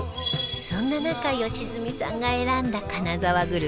そんな中良純さんが選んだ金沢グルメは